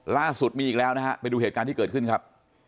ล่าสุดมีอีกแล้วนะฮะไปดูเหตุการณ์ที่เกิดขึ้นครับ